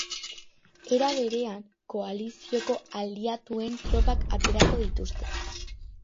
Era berean, koalizioko aliatuen tropak aterako dituzte.